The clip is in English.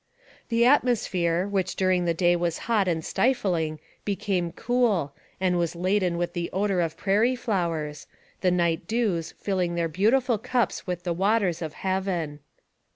The atmosphere, which during the day was hot and stifling, became cool, and was laden with the odor of prairie flowers, the night dews filling their beautiful cups with the waters of heaven.